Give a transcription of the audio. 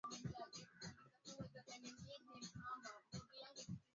Kupunguza wingi wa kemikali ya phytates mwaga maji uliyoyaloweka